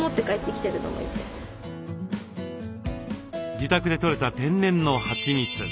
自宅でとれた天然のはちみつ。